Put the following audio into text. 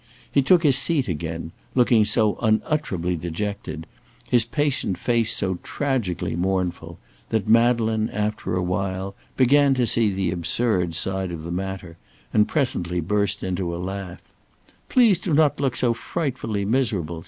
He took his seat again, looking so unutterably dejected, his patient face so tragically mournful, that Madeleine, after a while, began to see the absurd side of the matter, and presently burst into a laugh "Please do not look so frightfully miserable!"